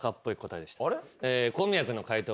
小宮君の解答